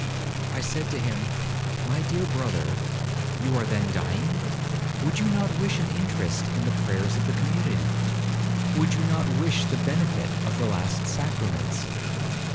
I said to him, 'My dear brother, you are then dying?—would you not wish an interest in the prayers of the community?—would you not wish the benefit of the last sacraments?'